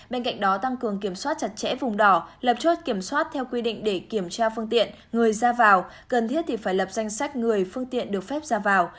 bên cạnh đó tăng cường kiểm soát chặt chẽ vùng đỏ lập chốt kiểm soát theo quy định để kiểm tra phương tiện người ra vào cần thiết thì phải lập danh sách người phương tiện được phép ra vào